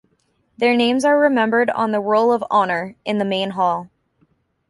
Their names are remembered on the Roll of Honour in the main hall.